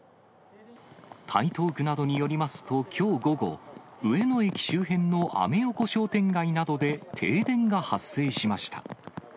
台東区などによりますと、きょう午後、上野駅周辺のアメ横商店街などで、停電が発生しました。